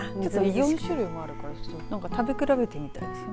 ４種類もあるから食べ比べてみたいです。